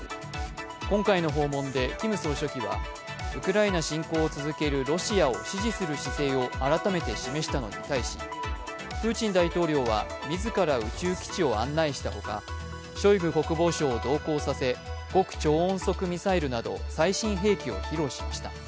今回の訪問でキム総書記は、ウクライナ侵攻を続けるロシアを支持する姿勢を改めて示したのに対しプーチン大統領は自ら宇宙基地を案内したほかショイグ国防相を同行させ極超音速ミサイルなど最新兵器を披露しました。